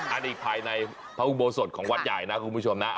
อันนี้ภายในพระอุโบสถของวัดใหญ่นะคุณผู้ชมนะ